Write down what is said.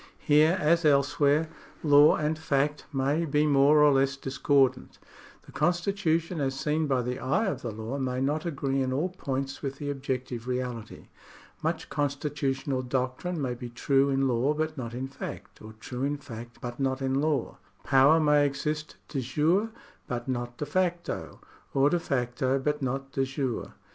Here, as elsewhere, law and fact may be more or less discordant. The constitution as seen by the eye of the law may not agree in all points with the objec tive reality. Much constitutional doctrine may be true in law but not in fact, or true in fact but not in law. Power may exist dejure but not de facto, or de facto but not dejure.